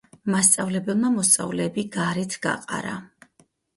მასწავლებელმა მოსწავლეები გარეთ გაყარა.